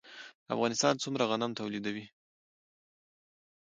افغانستان څومره غنم تولیدوي؟